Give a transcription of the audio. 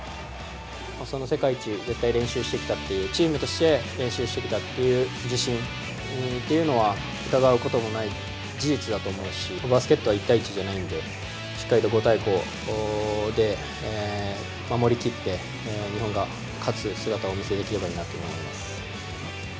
世界一、絶対練習してきたっていう、チームとして練習してきたという自信っていうのは、疑うことのない事実だと思うし、バスケットは１対１じゃないんで、しっかりと５対５で、守り切って、日本が勝つ姿をお見せできればいいなと思います。